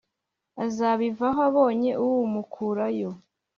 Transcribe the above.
azabivaho abonye uw’umukurayo"